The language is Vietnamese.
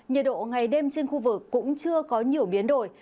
nhiệt độ ngày đêm trên khu vực cũng chưa có nhiều biến đổi